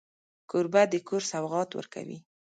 کوربه د کور سوغات ورکوي.